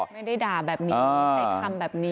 ไม่ได้ด่าแบบนี้ใช้คำแบบนี้